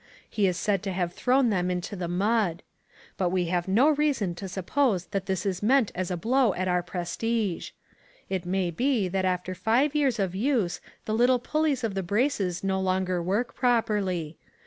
He is said to have thrown them into the mud. But we have no reason to suppose that this is meant as a blow at our prestige. It may be that after five years of use the little pulleys of the braces no longer work properly.